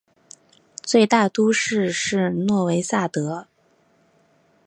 最大都市是诺维萨德。